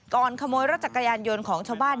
ขโมยรถจักรยานยนต์ของชาวบ้าน